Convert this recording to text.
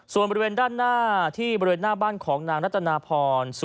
ส่วนบริเวณด้านหน้าที่บริเวณหน้าบ้านของนางรัตนาพร